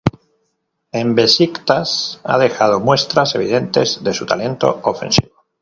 En Besiktas ha dejado muestras evidentes de su talento ofensivo.